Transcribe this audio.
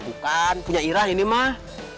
bukan punya irah ini mah